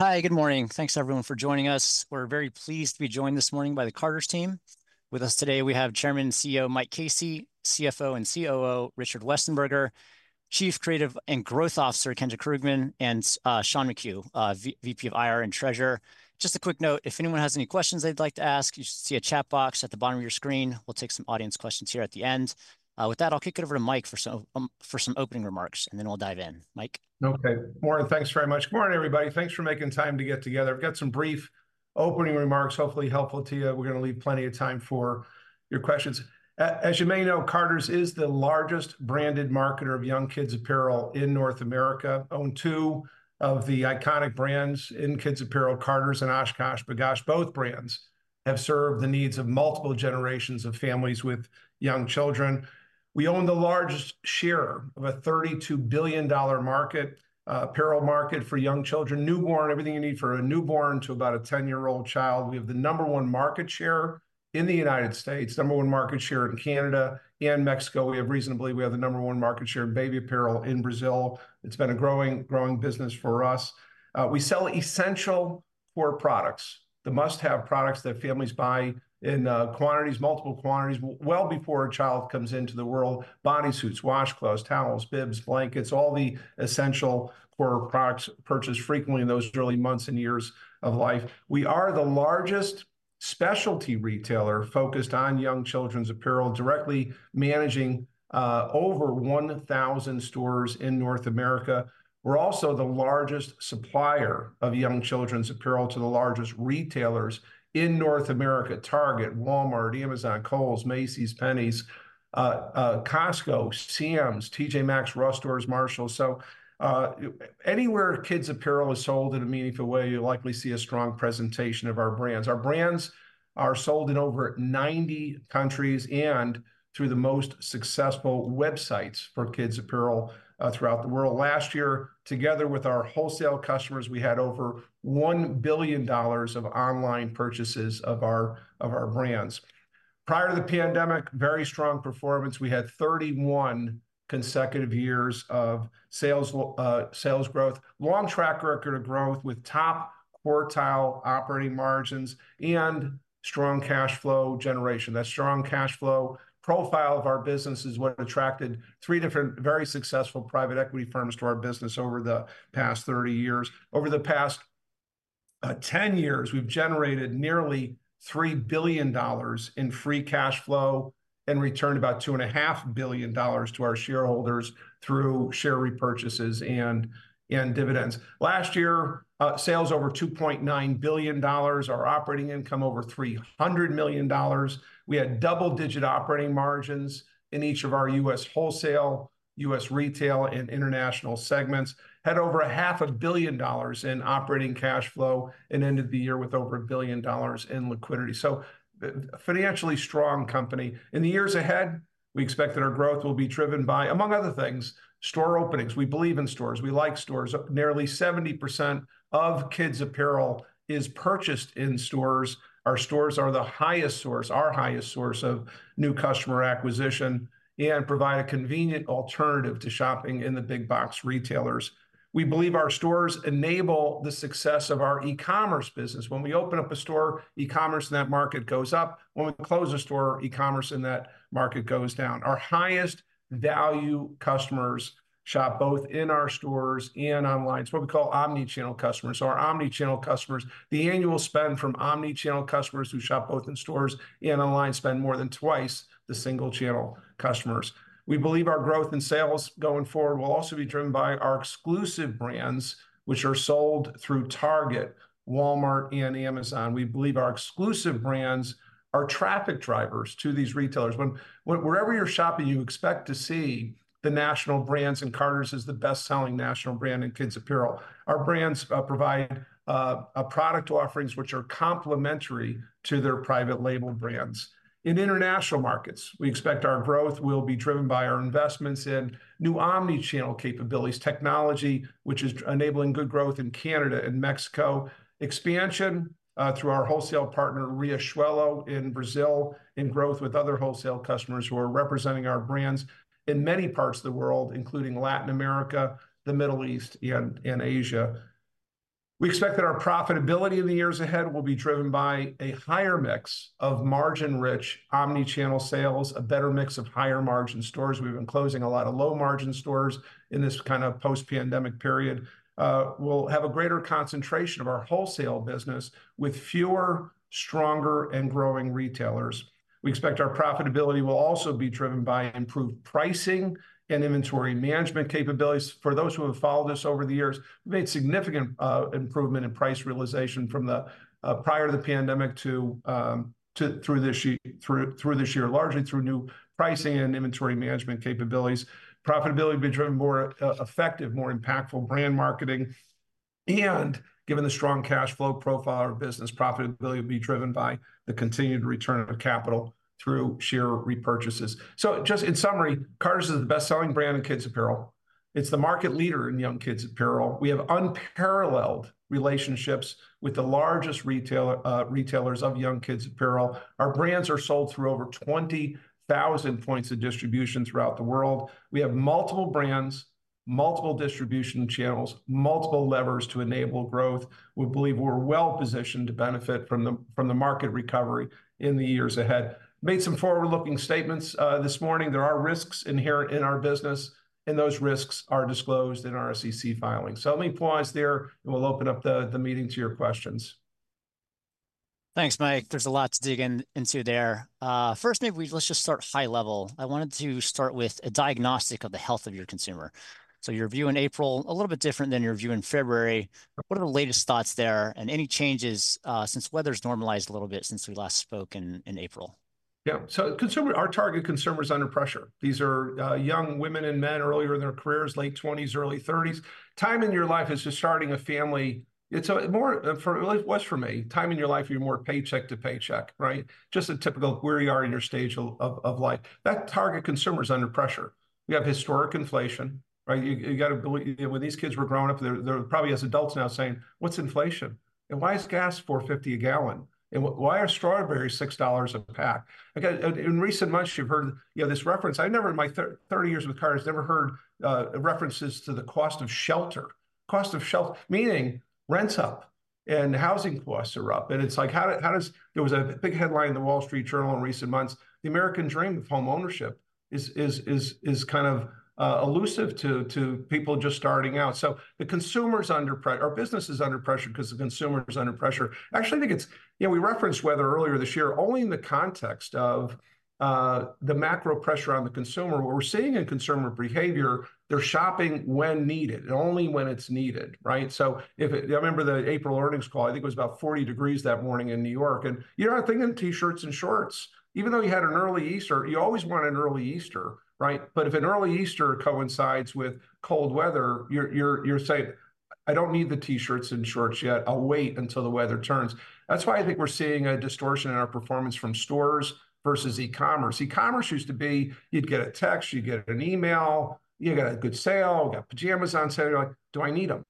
Hi, good morning. Thanks, everyone, for joining us. We're very pleased to be joined this morning by the Carter's team. With us today, we have Chairman and CEO, Mike Casey; CFO and COO, Richard Westenberger; Chief Creative and Growth Officer, Kendra Krugman; and Sean McHugh, VP of IR and Treasurer. Just a quick note, if anyone has any questions they'd like to ask, you should see a chat box at the bottom of your screen. We'll take some audience questions here at the end. With that, I'll kick it over to Mike for some opening remarks, and then we'll dive in. Mike? Okay. Morning, thanks very much. Morning, everybody. Thanks for making time to get together. I've got some brief opening remarks, hopefully helpful to you. We're gonna leave plenty of time for your questions. As you may know, Carter's is the largest branded marketer of young kids' apparel in North America, own two of the iconic brands in kids' apparel, Carter's and OshKosh B'gosh. Both brands have served the needs of multiple generations of families with young children. We own the largest share of a $32 billion market, apparel market for young children. Newborn. Everything you need for a newborn to about a 10-year-old child. We have the number one market share in the United States, number one market share in Canada and Mexico. We have the number one market share in baby apparel in Brazil. It's been a growing, growing business for us. We sell essential core products, the must-have products that families buy in quantities, multiple quantities, well before a child comes into the world. Bodysuits, washcloths, towels, bibs, blankets, all the essential core products purchased frequently in those early months and years of life. We are the largest specialty retailer focused on young children's apparel, directly managing over 1,000 stores in North America. We're also the largest supplier of young children's apparel to the largest retailers in North America: Target, Walmart, Amazon, Kohl's, Macy's, Penney's, Costco, TJs, TJ Maxx, Ross Stores, Marshalls. So, anywhere kids' apparel is sold in a meaningful way, you'll likely see a strong presentation of our brands. Our brands are sold in over 90 countries and through the most successful websites for kids' apparel throughout the world. Last year, together with our wholesale customers, we had over $1 billion of online purchases of our, of our brands. Prior to the pandemic, very strong performance. We had 31 consecutive years of sales growth. Long track record of growth, with top quartile operating margins and strong cash flow generation. That strong cash flow profile of our business is what attracted three different, very successful private equity firms to our business over the past 30 years. Over the past 10 years, we've generated nearly $3 billion in free cash flow and returned about $2.5 billion to our shareholders through share repurchases and, and dividends. Last year, sales over $2.9 billion, our operating income over $300 million. We had double-digit operating margins in each of our U.S. wholesale, U.S. retail, and international segments. Had over $500 million in operating cash flow, and ended the year with over $1 billion in liquidity. So, a financially strong company. In the years ahead, we expect that our growth will be driven by, among other things, store openings. We believe in stores. We like stores. Nearly 70% of kids' apparel is purchased in stores. Our stores are the highest source, our highest source of new customer acquisition and provide a convenient alternative to shopping in the big-box retailers. We believe our stores enable the success of our e-commerce business. When we open up a store, e-commerce in that market goes up. When we close a store, e-commerce in that market goes down. Our highest value customers shop both in our stores and online. It's what we call omni-channel customers. So our omni-channel customers. The annual spend from omni-channel customers who shop both in stores and online spend more than twice the single-channel customers. We believe our growth in sales going forward will also be driven by our exclusive brands, which are sold through Target, Walmart, and Amazon. We believe our exclusive brands are traffic drivers to these retailers. Wherever you're shopping, you expect to see the national brands, and Carter's is the best-selling national brand in kids' apparel. Our brands provide a product offerings which are complementary to their private label brands. In international markets, we expect our growth will be driven by our investments in new omni-channel capabilities, technology, which is enabling good growth in Canada and Mexico, expansion through our wholesale partner, Riachuelo, in Brazil, and growth with other wholesale customers who are representing our brands in many parts of the world, including Latin America, the Middle East, and Asia. We expect that our profitability in the years ahead will be driven by a higher mix of margin-rich, omni-channel sales, a better mix of higher-margin stores. We've been closing a lot of low-margin stores in this kind of post-pandemic period. We'll have a greater concentration of our wholesale business with fewer, stronger, and growing retailers. We expect our profitability will also be driven by improved pricing and inventory management capabilities. For those who have followed us over the years, we've made significant improvement in price realization from prior to the pandemic to through this year, largely through new pricing and inventory management capabilities. Profitability will be driven more effective, more impactful brand marketing, and given the strong cash flow profile of our business, profitability will be driven by the continued return of capital through share repurchases. So just in summary, Carter's is the best-selling brand in kids' apparel. It's the market leader in young kids' apparel. We have unparalleled relationships with the largest retailers of young kids' apparel. Our brands are sold through over 20,000 points of distribution throughout the world. We have multiple brands, multiple distribution channels, multiple levers to enable growth. We believe we're well-positioned to benefit from the market recovery in the years ahead. Made some forward-looking statements this morning. There are risks inherent in our business, and those risks are disclosed in our SEC filings. Let me pause there, and we'll open up the meeting to your questions. Thanks, Mike. There's a lot to dig into there. First, maybe let's just start high level. I wanted to start with a diagnostic of the health of your consumer. So your view in April, a little bit different than your view in February. What are the latest thoughts there, and any changes since weather's normalized a little bit since we last spoke in April? Yeah. So consumer, our target consumer is under pressure. These are young women and men earlier in their careers, late twenties, early thirties. Time in your life is just starting a family. It's a more, at least it was for me, time in your life, you're more paycheck to paycheck, right? Just a typical where you are in your stage of life. That target consumer is under pressure. We have historic inflation, right? You gotta. When these kids were growing up, they're probably as adults now saying, "What's inflation? And why is gas $4.50 a gallon? And why are strawberries $6 a pack?" Again, in recent months, you've heard, you know, this reference. I never in my 30 years with Carter's, never heard references to the cost of shelter. Cost of shelf, meaning rent's up and housing costs are up. It's like, how does. There was a big headline in The Wall Street Journal in recent months, the American dream of homeownership is kind of elusive to people just starting out. So the consumer's under pressure. Our business is under pressure because the consumer is under pressure. I actually think it's. You know, we referenced weather earlier this year, only in the context of the macro pressure on the consumer. What we're seeing in consumer behavior, they're shopping when needed, and only when it's needed, right? So if it, I remember the April earnings call. I think it was about 40 degrees Fahrenheit that morning in New York, and you're not thinking T-shirts and shorts. Even though you had an early Easter, you always want an early Easter, right? But if an early Easter coincides with cold weather, you're saying, "I don't need the T-shirts and shorts yet. I'll wait until the weather turns." That's why I think we're seeing a distortion in our performance from stores versus e-commerce. E-commerce used to be, you'd get a text, you'd get an email, you got a good sale, you got pajamas on sale. You're like, "Do I need them?"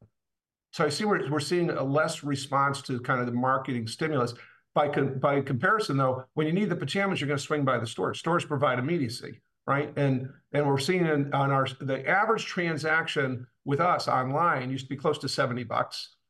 So I see we're seeing a less response to kind of the marketing stimulus. By comparison, though, when you need the pajamas, you're gonna swing by the store. Stores provide immediacy, right? And we're seeing in, on our, the average transaction with us online used to be close to $70,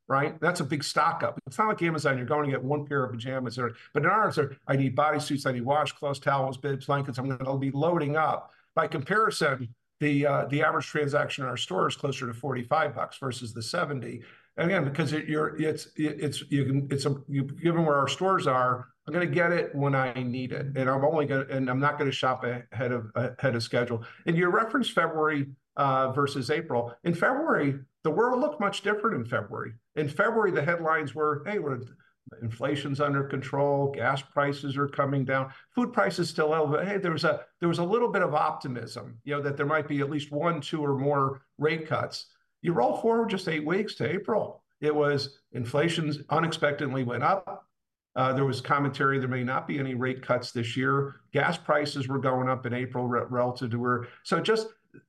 right? That's a big stock-up. It's not like Amazon, you're going to get one pair of pajamas there. But in ours, "I need bodysuits, I need washcloths, towels, bibs, blankets," I'm gonna be loading up. By comparison, the average transaction in our store is closer to $45 bucks versus the $70. Again, because it's Given where our stores are, I'm gonna get it when I need it, and I'm not gonna shop ahead of schedule. And you referenced February versus April. In February, the world looked much different in February. In February, the headlines were, "Hey, well, inflation's under control, gas prices are coming down. Food prices still ele-" But, hey, there was a little bit of optimism, you know, that there might be at least one, two, or more rate cuts. You roll forward just eight weeks to April, it was, "Inflation's unexpectedly went up." There was commentary there may not be any rate cuts this year. Gas prices were going up in April relative to where. So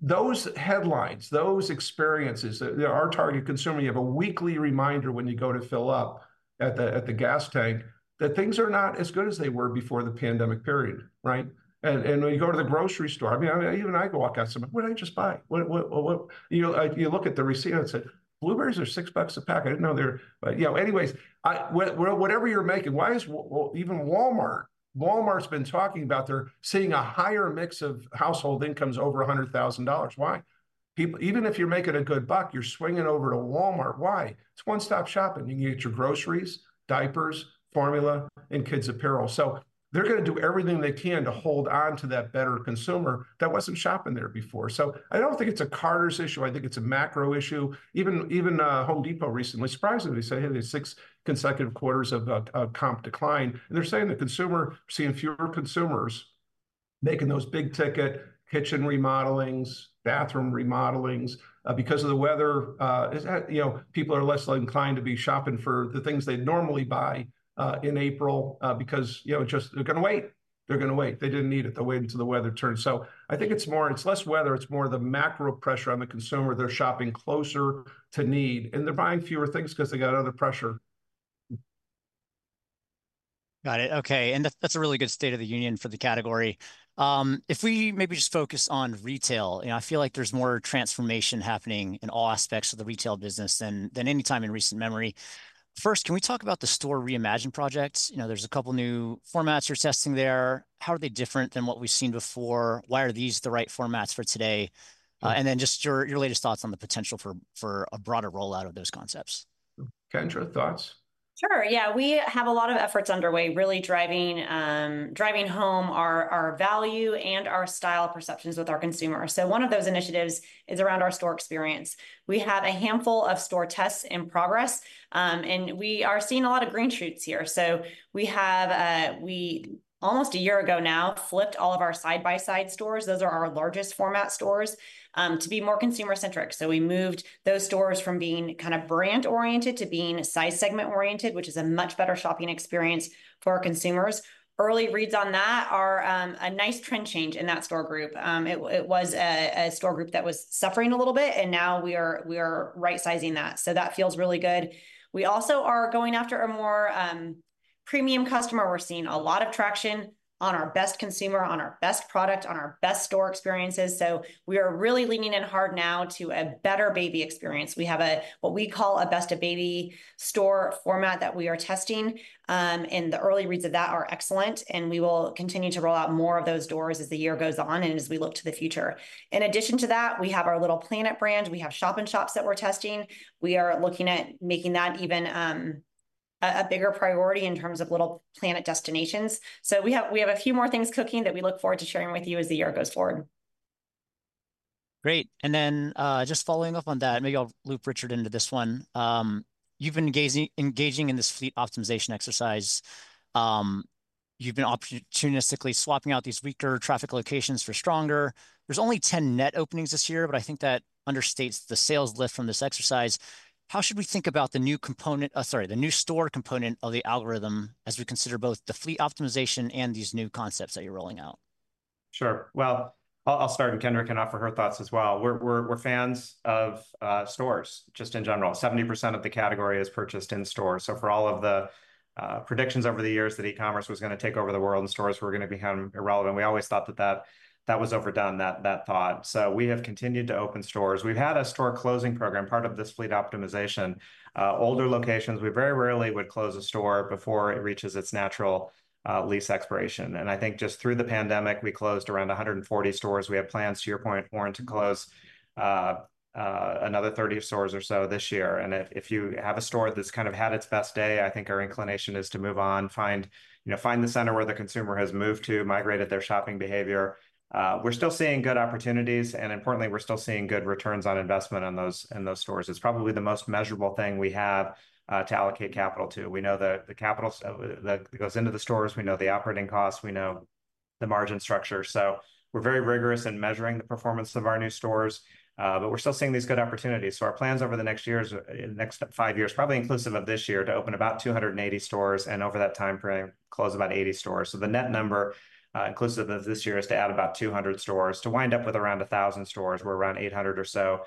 just those headlines, those experiences, our target consumer, you have a weekly reminder when you go to fill up at the gas tank, that things are not as good as they were before the pandemic period, right? And, and when you go to the grocery store, I mean, even I go walk out and say, "What did I just buy? What, what, what, what." You know, you look at the receipt and say, "Blueberries are $6 a pack. I didn't know they're." But, you know, anyways, whatever you're making, why? Well, even Walmart, Walmart's been talking about they're seeing a higher mix of household incomes over $100,000. Why? People, even if you're making a good buck, you're swinging over to Walmart. Why? It's one-stop shopping. You can get your groceries, diapers, formula, and kids' apparel. So they're gonna do everything they can to hold on to that better consumer that wasn't shopping there before. So I don't think it's a Carter's issue, I think it's a macro issue. Even, even, Home Depot recently, surprisingly, said, "Hey, there's six consecutive quarters of, of comp decline." And they're saying the consumer, seeing fewer consumers making those big-ticket kitchen remodelings, bathroom remodelings. Because of the weather, you know, people are less inclined to be shopping for the things they'd normally buy in April because, you know, just they're gonna wait. They're gonna wait. They didn't need it. They'll wait until the weather turns. So I think it's more. It's less weather. It's more the macro pressure on the consumer. They're shopping closer to need, and they're buying fewer things because they got other pressure. Got it. Okay, and that, that's a really good state of the union for the category. If we maybe just focus on retail, you know, I feel like there's more transformation happening in all aspects of the retail business than any time in recent memory. First, can we talk about the Store Reimagined projects? You know, there's a couple new formats you're testing there. How are they different than what we've seen before? Why are these the right formats for today? And then just your latest thoughts on the potential for a broader rollout of those concepts. Kendra, thoughts? Sure, yeah. We have a lot of efforts underway, really driving home our value and our style perceptions with our consumer. So one of those initiatives is around our store experience. We have a handful of store tests in progress, and we are seeing a lot of green shoots here. So, almost a year ago now, we flipped all of our side-by-side stores, those are our largest format stores, to be more consumer-centric. So we moved those stores from being kind of brand-oriented to being size/segment-oriented, which is a much better shopping experience for our consumers. Early reads on that are a nice trend change in that store group. It was a store group that was suffering a little bit, and now we are right-sizing that. So that feels really good. We also are going after a more premium customer. We're seeing a lot of traction on our best consumer, on our best product, on our best store experiences. So we are really leaning in hard now to a better baby experience. We have what we call a Best of Baby store format that we are testing. And the early reads of that are excellent, and we will continue to roll out more of those doors as the year goes on and as we look to the future. In addition to that, we have our Little Planet brand. We have shop-in-shops that we're testing. We are looking at making that even a bigger priority in terms of Little Planet destinations. So we have a few more things cooking that we look forward to sharing with you as the year goes forward. Great. And then, just following up on that, maybe I'll loop Richard into this one. You've been engaging in this fleet optimization exercise. You've been opportunistically swapping out these weaker traffic locations for stronger. There's only 10 net openings this year, but I think that understates the sales lift from this exercise. How should we think about the new component, sorry, the new store component of the algorithm as we consider both the fleet optimization and these new concepts that you're rolling out? Sure. Well, I'll start, and Kendra can offer her thoughts as well. We're fans of stores just in general. 70% of the category is purchased in store. So for all of the predictions over the years that e-commerce was gonna take over the world, and stores were gonna become irrelevant, we always thought that that was overdone, that thought. So we have continued to open stores. We've had a store closing program, part of this fleet optimization. Older locations, we very rarely would close a store before it reaches its natural lease expiration. And I think just through the pandemic, we closed around 140 stores. We have plans, to your point, Warren, to close another 30 stores or so this year. And if you have a store that's kind of had its best day, I think our inclination is to move on, you know, find the center where the consumer has moved to, migrated their shopping behavior. We're still seeing good opportunities, and importantly, we're still seeing good returns on investment on those, in those stores. It's probably the most measurable thing we have to allocate capital to. We know the capital that goes into the stores, we know the operating costs, we know the margin structure. So we're very rigorous in measuring the performance of our new stores, but we're still seeing these good opportunities. So our plans over the next five years, probably inclusive of this year, to open about 280 stores, and over that timeframe, close about 80 stores. So the net number, inclusive of this year, is to add about 200 stores, to wind up with around 1,000 stores. We're around 800 or so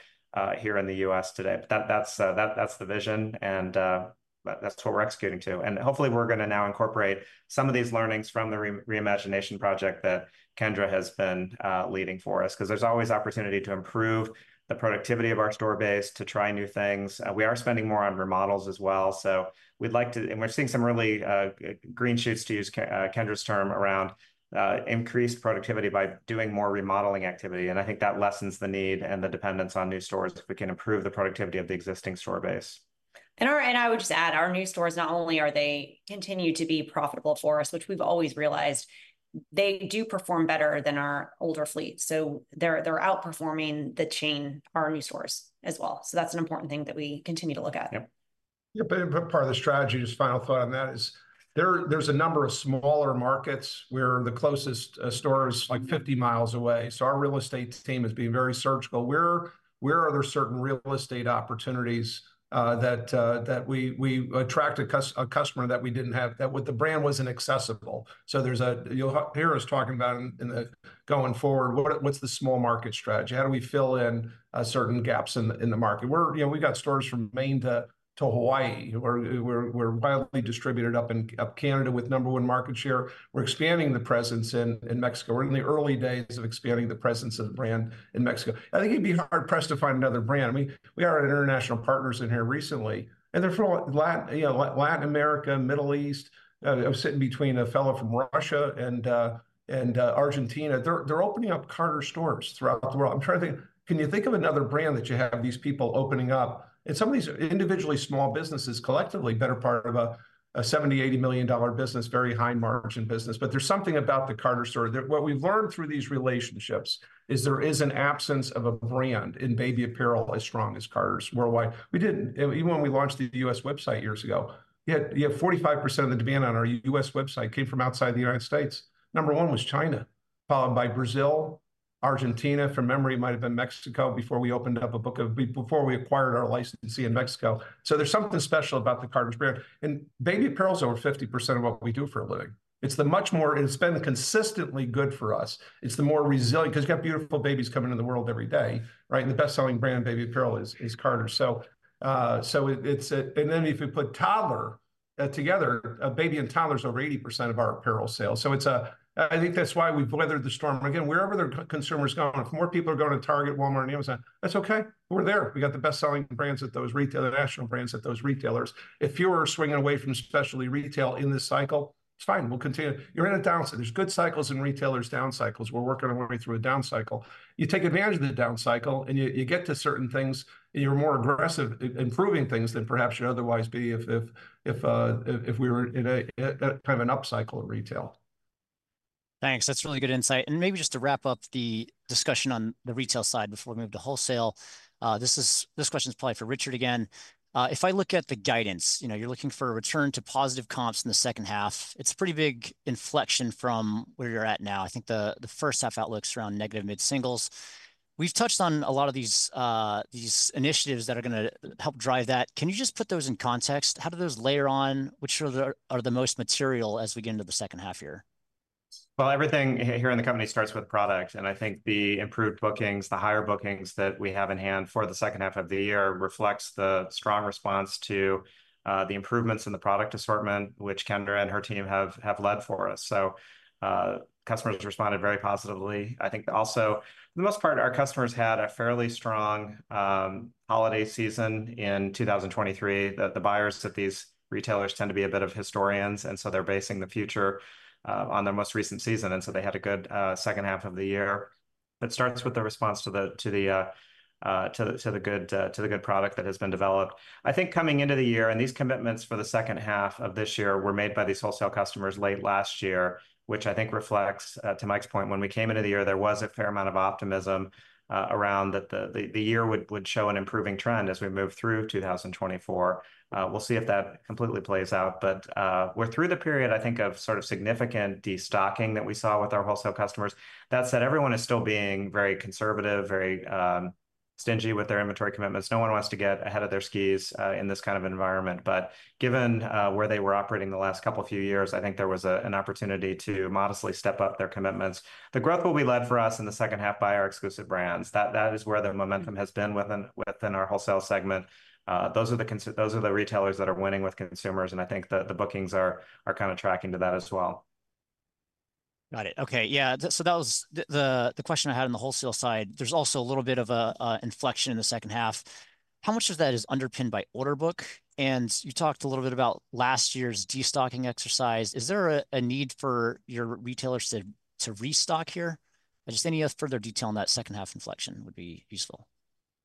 here in the U.S. today. But that's the vision, and that's what we're executing to. And hopefully, we're gonna now incorporate some of these learnings from the Reimagination project that Kendra has been leading for us, 'cause there's always opportunity to improve the productivity of our store base, to try new things. We are spending more on remodels as well, so we'd like to. We're seeing some really green shoots, to use Kendra's term, around increased productivity by doing more remodeling activity, and I think that lessens the need and the dependence on new stores if we can improve the productivity of the existing store base. And I would just add, our new stores, not only are they continue to be profitable for us, which we've always realized, they do perform better than our older fleet. So they're outperforming the chain, our new stores as well. So that's an important thing that we continue to look at. Yep, but part of the strategy, just final thought on that, there's a number of smaller markets where the closest store is, like, 50 miles away. So our real estate team is being very surgical. Where are there certain real estate opportunities that we attract a customer that we didn't have, that with the brand wasn't accessible? So there's a. You'll hear us talking about, going forward, what's the small market strategy? How do we fill in certain gaps in the market? You know, we've got stores from Maine to Hawaii. We're widely distributed up in Canada with number one market share. We're expanding the presence in Mexico. We're in the early days of expanding the presence of the brand in Mexico. I think you'd be hard-pressed to find another brand. I mean, we had our international partners in here recently, and they're from—you know—Latin America, Middle East. I was sitting between a fellow from Russia and Argentina. They're opening up Carter's stores throughout the world. I'm trying to think, can you think of another brand that you have these people opening up? And some of these are individually small businesses, collectively better part of a $70 million-$80 million business, very high margin business. But there's something about the Carter's store, that what we've learned through these relationships is there is an absence of a brand in baby apparel as strong as Carter's worldwide. We didn't even when we launched the U.S. website years ago, yet, you have 45% of the demand on our U.S. website came from outside the United States. Number one was China, followed by Brazil, Argentina. From memory, it might have been Mexico before we acquired our licensee in Mexico. So there's something special about the Carter brand, and baby apparel is over 50% of what we do for a living. It's the much more... It's been consistently good for us. It's the more resilient, 'cause you got beautiful babies coming into the world every day, right? And the best-selling brand in baby apparel is Carter. So, so it, and then if you put toddler together, baby and toddler is over 80% of our apparel sales. So it's a... I think that's why we've weathered the storm. Again, wherever the consumer's going, if more people are going to Target, Walmart, and Amazon, that's okay. We're there. We got the best-selling brands at those retailers, national brands at those retailers. If you are swinging away from specialty retail in this cycle, it's fine. We'll continue. You're in a down cycle. There's good cycles in retailers, down cycles. We're working our way through a down cycle. You take advantage of the down cycle, and you get to certain things, and you're more aggressive in improving things than perhaps you'd otherwise be if we were in a kind of an upcycle of retail. Thanks. That's really good insight. And maybe just to wrap up the discussion on the retail side before we move to wholesale, this question's probably for Richard again. If I look at the guidance, you know, you're looking for a return to positive comps in the second half. It's a pretty big inflection from where you're at now. I think the first half outlook's around negative mid-singles. We've touched on a lot of these initiatives that are gonna help drive that. Can you just put those in context? How do those layer on? Which are the most material as we get into the second half here? Well, everything here in the company starts with product, and I think the improved bookings, the higher bookings that we have in hand for the second half of the year, reflects the strong response to the improvements in the product assortment, which Kendra and her team have led for us. So, customers responded very positively. I think also, for the most part, our customers had a fairly strong holiday season in 2023, that the buyers at these retailers tend to be a bit of historians, and so they're basing the future on their most recent season, and so they had a good second half of the year. It starts with the response to the good product that has been developed. I think coming into the year, and these commitments for the second half of this year were made by these wholesale customers late last year, which I think reflects, to Mike's point, when we came into the year, there was a fair amount of optimism, around that the year would show an improving trend as we moved through 2024. We'll see if that completely plays out. But, we're through the period, I think, of sort of significant destocking that we saw with our wholesale customers. That said, everyone is still being very conservative, very stingy with their inventory commitments. No one wants to get ahead of their skis, in this kind of environment. But given, where they were operating the last couple, few years, I think there was an opportunity to modestly step up their commitments. The growth will be led for us in the second half by our exclusive brands. That is where the momentum has been within our wholesale segment. Those are the retailers that are winning with consumers, and I think the bookings are kind of tracking to that as well. Got it. Okay, yeah. So that was the question I had on the wholesale side. There's also a little bit of an inflection in the second half. How much of that is underpinned by order book? And you talked a little bit about last year's destocking exercise. Is there a need for your retailers to restock here? Just any further detail on that second half inflection would be useful.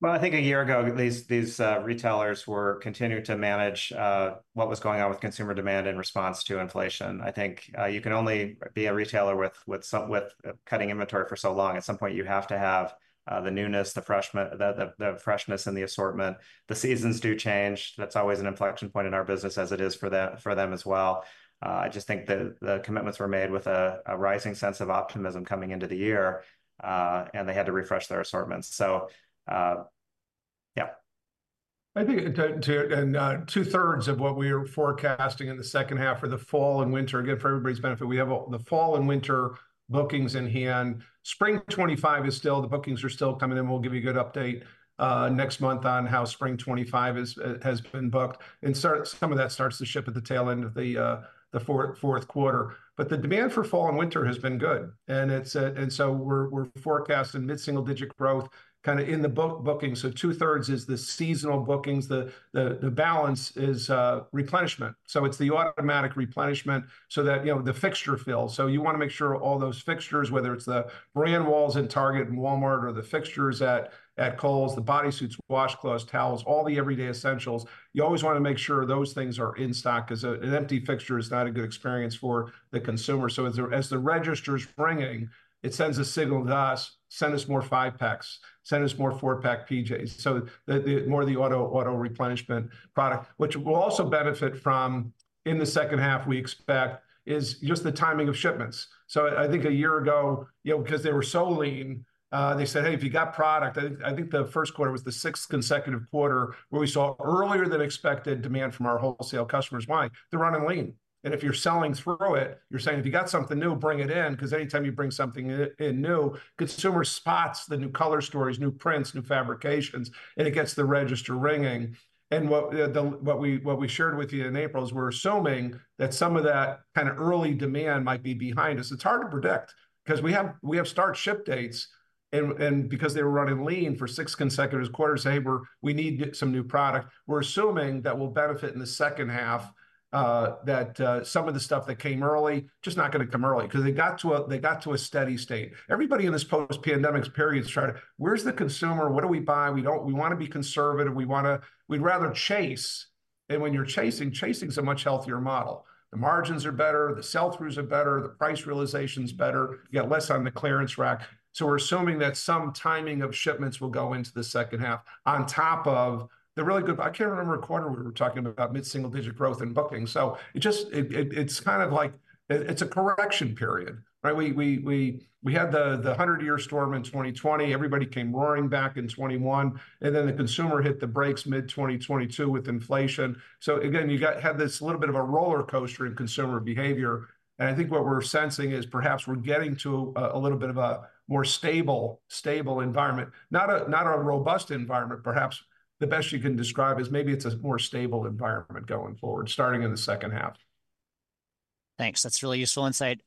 Well, I think a year ago, these retailers were continuing to manage what was going on with consumer demand in response to inflation. I think you can only be a retailer with cutting inventory for so long. At some point, you have to have the newness, the freshness in the assortment. The seasons do change. That's always an inflection point in our business, as it is for them as well. I just think the commitments were made with a rising sense of optimism coming into the year, and they had to refresh their assortments. So, yeah. I think in total and two-thirds of what we are forecasting in the second half for the fall and winter. Again, for everybody's benefit, we have all the fall and winter bookings in hand. Spring 2025 is still, the bookings are still coming in. We'll give you a good update next month on how Spring 2025 has been booked, and some of that starts to ship at the tail end of the fourth quarter. But the demand for fall and winter has been good, and so we're forecasting mid-single-digit growth kind of in the booking. So two-thirds is the seasonal bookings, the balance is replenishment. So it's the automatic replenishment so that, you know, the fixture fills. So you want to make sure all those fixtures, whether it's the brand walls in Target and Walmart, or the fixtures at Kohl's, the bodysuits, washcloths, towels, all the everyday essentials, you always want to make sure those things are in stock, 'cause an empty fixture is not a good experience for the consumer. So as the register's ringing, it sends a signal to us, "Send us more five-packs. Send us more four-pack PJs." So the more the auto-replenishment product, which we'll also benefit from in the second half, we expect, is just the timing of shipments. So I think a year ago, you know, because they were so lean, they said, "Hey, have you got product?" I think the first quarter was the sixth consecutive quarter where we saw earlier-than-expected demand from our wholesale customers. Why? They're running lean. And if you're selling through it, you're saying, "If you got something new, bring it in," 'cause anytime you bring something in new, consumer spots the new color stories, new prints, new fabrications, and it gets the register ringing. What we shared with you in April is we're assuming that some of that kind of early demand might be behind us. It's hard to predict, 'cause we have start ship dates, and because they were running lean for six consecutive quarters, saying, "We need some new product," we're assuming that we'll benefit in the second half, that some of the stuff that came early just not gonna come early. 'Cause they got to a steady state. Everybody in this post-pandemic period started, "Where's the consumer? What do we buy? We don't want to be conservative. We'd rather chase. And when you're chasing, chasing's a much healthier model. The margins are better, the sell-throughs are better, the price realization's better. You got less on the clearance rack. So we're assuming that some timing of shipments will go into the second half, on top of the really good... I can't remember a quarter where we were talking about mid-single-digit growth in bookings. So it just, it's kind of like, it's a correction period, right? We had the 100-year storm in 2020. Everybody came roaring back in 2021, and then the consumer hit the brakes mid-2022 with inflation. So again, you had this little bit of a rollercoaster in consumer behavior, and I think what we're sensing is perhaps we're getting to a little bit of a more stable environment. Not a robust environment. Perhaps the best you can describe is maybe it's a more stable environment going forward, starting in the second half. Thanks. That's really useful insight.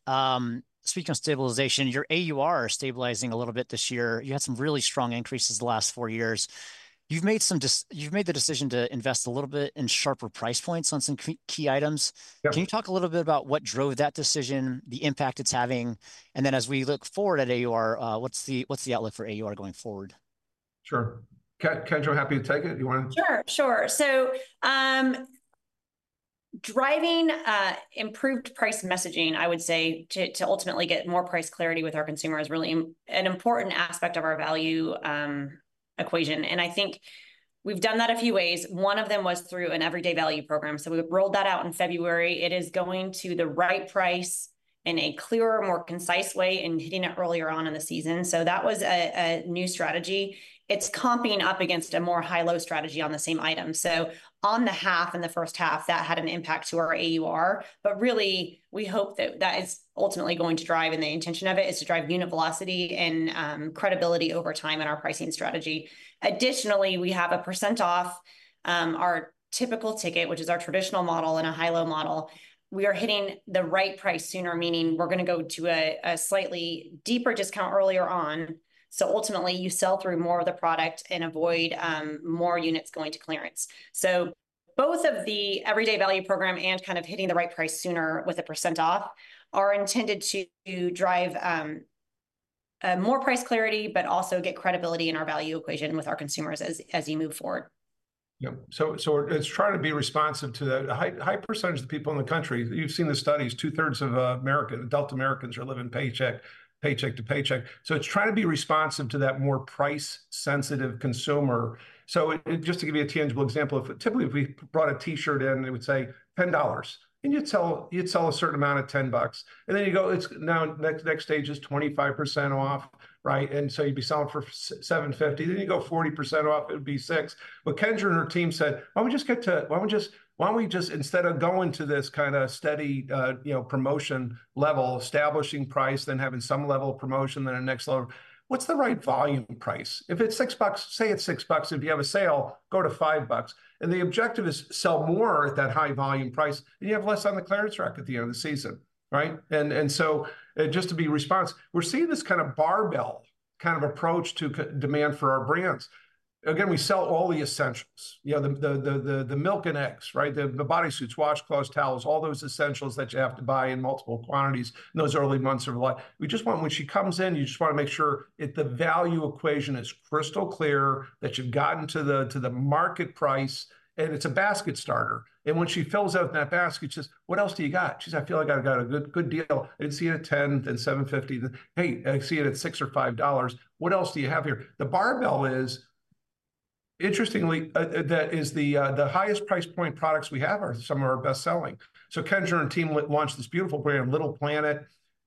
Speaking of stabilization, your AUR is stabilizing a little bit this year. You had some really strong increases the last four years. You've made the decision to invest a little bit in sharper price points on some key, key items. Yep. Can you talk a little bit about what drove that decision, the impact it's having? And then as we look forward at AUR, what's the outlook for AUR going forward? Sure. Kendra, happy to take it? You want to. Sure, sure. So, driving improved price messaging, I would say, to ultimately get more price clarity with our consumer is really an important aspect of our value equation. And I think we've done that a few ways. One of them was through an everyday value program, so we rolled that out in February. It is going to the right price in a clearer, more concise way, and hitting it earlier on in the season, so that was a new strategy. It's comping up against a more high-low strategy on the same item. So on the half, in the first half, that had an impact to our AUR. But really, we hope that that is ultimately going to drive, and the intention of it is to drive unit velocity and credibility over time in our pricing strategy. Additionally, we have a percent off our typical ticket, which is our traditional model and a high-low model. We are hitting the right price sooner, meaning we're gonna go to a slightly deeper discount earlier on, so ultimately you sell through more of the product and avoid more units going to clearance. So both of the everyday value program and kind of hitting the right price sooner with a percent off are intended to drive more price clarity, but also get credibility in our value equation with our consumers as you move forward. Yeah, so it's trying to be responsive to the high, high percentage of the people in the country... You've seen the studies. Two-thirds of American adult Americans are living paycheck to paycheck, so it's trying to be responsive to that more price-sensitive consumer. So, and just to give you a tangible example, typically, if we brought a T-shirt in, it would say $10, and you'd sell, you'd sell a certain amount at $10. And then you go, "It's now, next stage is 25% off," right? And so you'd be selling for $7.50. Then you'd go 40% off, it would be $6. But Kendra and her team said, "Why don't we just get to. Why don't we just, why don't we just, instead of going to this kind of steady, you know, promotion level, establishing price, then having some level of promotion, then the next level, what's the right volume price? If it's $6, say it's $6. If you have a sale, go to $5." And the objective is sell more at that high-volume price, and you have less on the clearance rack at the end of the season, right? And so, just to be responsive, we're seeing this kind of barbell kind of approach to demand for our brands. Again, we sell all the essentials. You know, the milk and eggs, right? The bodysuits, washcloths, towels, all those essentials that you have to buy in multiple quantities in those early months of life. We just want when she comes in, you just wanna make sure that the value equation is crystal clear, that you've gotten to the, to the market price, and it's a basket starter. And when she fills out that basket, she says, "What else do you got?" She says, "I feel like I've got a good, good deal." And see it at $10, then $7.50, then, "Hey, I see it at $6 or $5. What else do you have here?" The barbell is, interestingly, that is the, the highest price point products we have are some of our best selling. So Kendra and team launched this beautiful brand, Little Planet.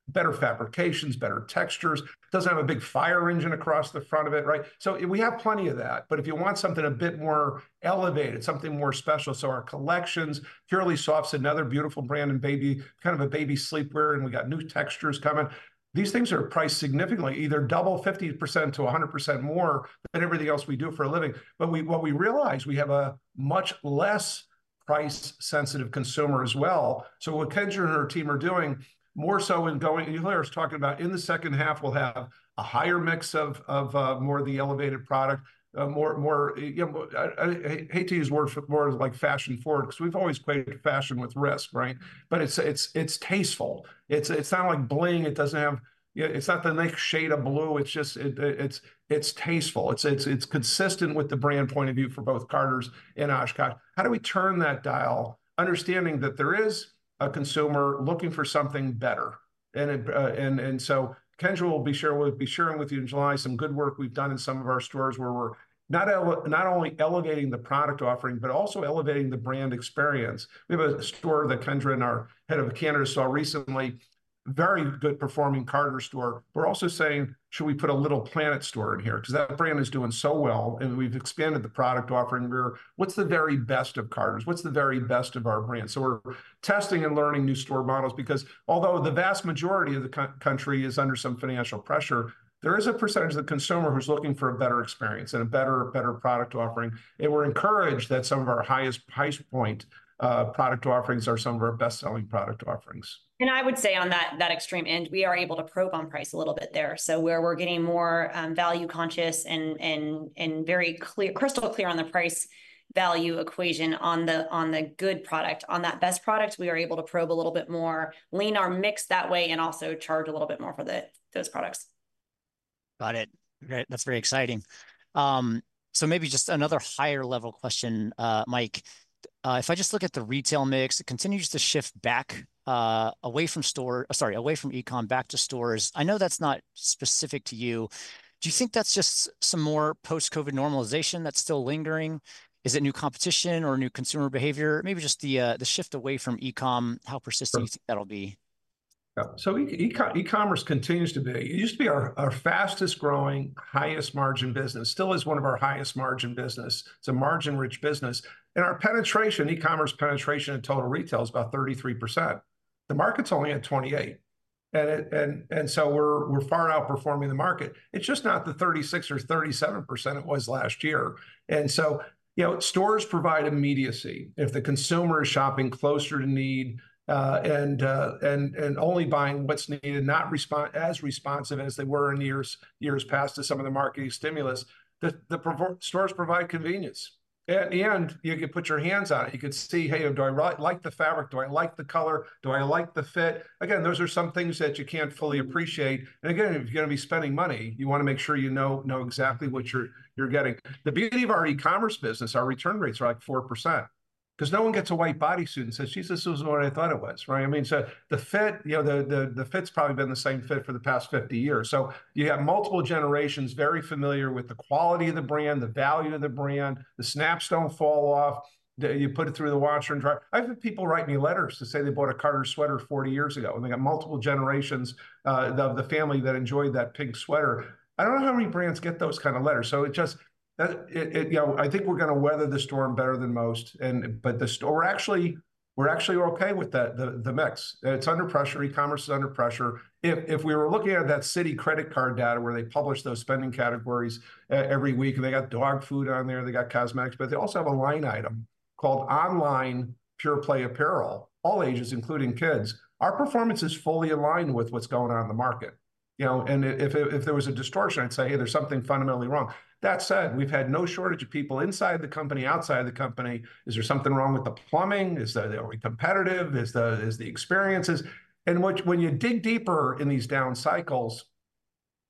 Better fabrications, better textures. Doesn't have a big fire engine across the front of it, right? So we have plenty of that. But if you want something a bit more elevated, something more special, so our collections, Purely Soft's another beautiful brand, and baby, kind of a baby sleepwear, and we've got new textures coming. These things are priced significantly, either double 50%-100% more than everything else we do for a living. But what we realize, we have a much less price-sensitive consumer as well. So what Kendra and her team are doing, more so in going either was talking about in the second half, we'll have a higher mix of, of, more of the elevated product, more, more, you know, I, I, I hate to use words, words like fashion forward, because we've always played fashion with risk, right? But it's, it's, it's tasteful. It's, it's not like bling. It doesn't have. You know, it's not the next shade of blue. It's just, it's tasteful. It's consistent with the brand point of view for both Carter's and OshKosh. How do we turn that dial, understanding that there is a consumer looking for something better? And so Kendra will be sharing with you in July some good work we've done in some of our stores, where we're not only elevating the product offering but also elevating the brand experience. We have a store that Kendra and our head of Canada saw recently, very good-performing Carter's store. We're also saying, "Should we put a Little Planet store in here?" Because that brand is doing so well, and we've expanded the product offering. We're, "What's the very best of Carter's? What's the very best of our brands?" So we're testing and learning new store models, because although the vast majority of the country is under some financial pressure, there is a percentage of the consumer who's looking for a better experience and a better, better product offering. And we're encouraged that some of our highest price point product offerings are some of our best-selling product offerings. I would say on that extreme end, we are able to probe on price a little bit there. Where we're getting more value conscious and very clear, crystal clear on the price/value equation on the good product. On that best product, we are able to probe a little bit more, lean our mix that way, and also charge a little bit more for those products. Got it. Great. That's very exciting. So maybe just another higher level question, Mike. If I just look at the retail mix, it continues to shift back, away from store... Sorry, away from e-com back to stores. I know that's not specific to you. Do you think that's just some more post-COVID normalization that's still lingering? Is it new competition or new consumer behavior? Maybe just the, the shift away from e-com, how persistent you think that'll be? Yeah, so e-com, e-commerce continues to be. It used to be our fastest-growing, highest-margin business, still is one of our highest-margin business. It's a margin-rich business. And our penetration, e-commerce penetration in total retail is about 33%. The market's only at 28%, and so we're far outperforming the market. It's just not the 36% or 37% it was last year. And so, you know, stores provide immediacy. If the consumer is shopping closer to need and only buying what's needed, not as responsive as they were in years past to some of the marketing stimulus, stores provide convenience. At the end, you could put your hands on it. You could see, "Hey, do I like the fabric? Do I like the color? Do I like the fit?" Again, those are some things that you can't fully appreciate. Again, if you're gonna be spending money, you wanna make sure you know exactly what you're getting. The beauty of our e-commerce business, our return rates are, like, 4%. 'cause no one gets a white body suit and says, "Geez, this isn't what I thought it was," right? I mean, so the fit, you know, the fit's probably been the same fit for the past 50 years. So you have multiple generations very familiar with the quality of the brand, the value of the brand. The snaps don't fall off. You put it through the washer and dryer. I've had people write me letters to say they bought a Carter's sweater 40 years ago, and they got multiple generations of the family that enjoyed that pink sweater. I don't know how many brands get those kind of letters, so it just... That, you know, I think we're gonna weather the storm better than most, but we're actually okay with the mix. It's under pressure, e-commerce is under pressure. If we were looking at that Citi credit card data where they publish those spending categories every week, and they got dog food on there, they got cosmetics, but they also have a line item called online pure-play apparel, all ages, including kids, our performance is fully aligned with what's going on in the market. You know, and if there was a distortion, I'd say, "Hey, there's something fundamentally wrong." That said, we've had no shortage of people inside the company, outside of the company, "Is there something wrong with the plumbing? Are we competitive? Is the experience. And what, when you dig deeper in these down cycles,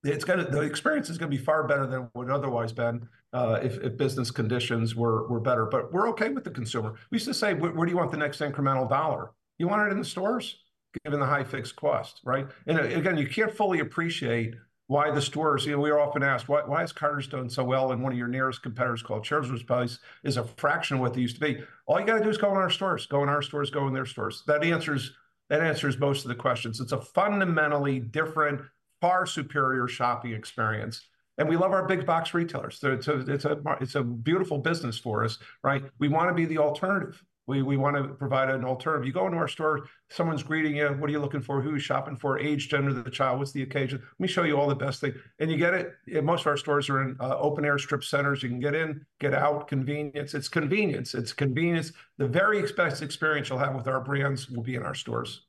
it's gonna. The experience is gonna be far better than it would otherwise been, if business conditions were better. But we're okay with the consumer. We used to say, "Where do you want the next incremental dollar? You want it in the stores?" Given the high fixed cost, right? And again, you can't fully appreciate why the stores. You know, we are often asked, "Why has Carter's done so well, and one of your nearest competitors called Children's Place is a fraction of what they used to be?" All you gotta do is go in our stores. Go in our stores, go in their stores. That answers most of the questions. It's a fundamentally different, far superior shopping experience, and we love our big box retailers. So it's a beautiful business for us, right? We wanna be the alternative. We wanna provide an alternative. You go into our store, someone's greeting you: "What are you looking for? Who are you shopping for? Age, gender of the child. What's the occasion? Let me show you all the best thing. And you get it. And most of our stores are in open-air strip centers. You can get in, get out, convenience. It's convenience. It's convenience. The very best experience you'll have with our brands will be in our stores.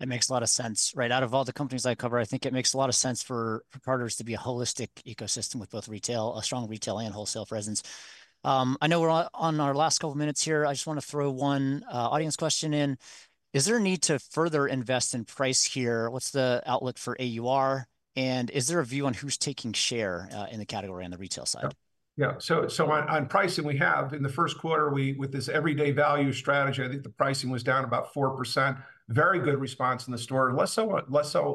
It makes a lot of sense, right? Out of all the companies I cover, I think it makes a lot of sense for Carter's to be a holistic ecosystem with both retail, a strong retail and wholesale presence. I know we're on our last couple minutes here. I just want to throw one audience question in: Is there a need to further invest in price here? What's the outlook for AUR, and is there a view on who's taking share in the category on the retail side? Yeah, so on pricing, we have in the first quarter, with this everyday value strategy, I think the pricing was down about 4%. Very good response in the store, less so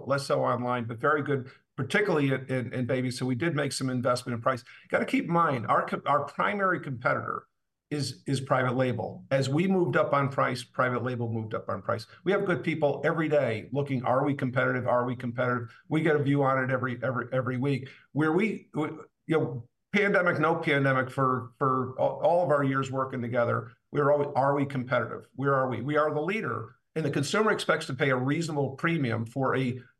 online, but very good, particularly in babies, so we did make some investment in price. Gotta keep in mind, our primary competitor is private label. As we moved up on price, private label moved up on price. We have good people every day looking, "Are we competitive? Are we competitive?" We get a view on it every week. You know, pandemic, no pandemic, for all of our years working together, we are always, "Are we competitive? Where are we?" We are the leader, and the consumer expects to pay a reasonable premium for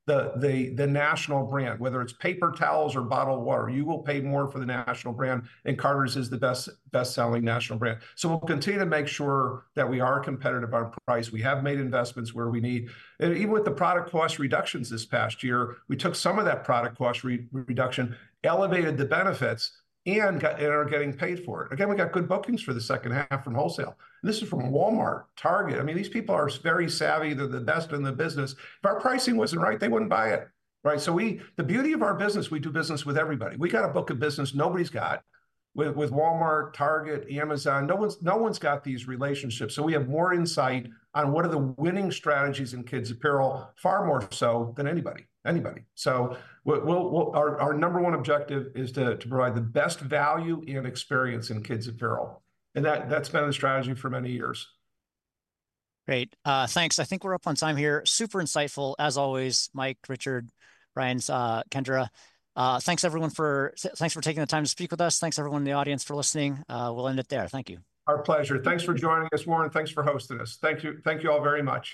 the national brand, whether it's paper towels or bottled water. You will pay more for the national brand, and Carter's is the best best-selling national brand. So we'll continue to make sure that we are competitive on price. We have made investments where we need. And even with the product cost reductions this past year, we took some of that product cost reduction, elevated the benefits, and got and are getting paid for it. Again, we got good bookings for the second half from wholesale. This is from Walmart, Target. I mean, these people are very savvy. They're the best in the business. If our pricing wasn't right, they wouldn't buy it, right? So we. The beauty of our business, we do business with everybody. We got a book of business nobody's got. With Walmart, Target, Amazon, no one's got these relationships, so we have more insight on what are the winning strategies in kids' apparel, far more so than anybody. So we'll. Our number one objective is to provide the best value and experience in kids' apparel, and that's been the strategy for many years. Great. Thanks. I think we're up on time here. Super insightful as always, Mike, Richard, Brian, Kendra. Thanks everyone for taking the time to speak with us. Thanks, everyone in the audience, for listening. We'll end it there. Thank you. Our pleasure. Thanks for joining us, Warren, thanks for hosting us. Thank you. Thank you all very much.